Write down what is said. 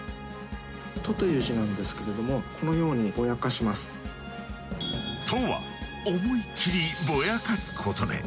「と」という字なんですけれどもこのように「と」は思いっきりぼやかすことで遠くにあるときは見やすく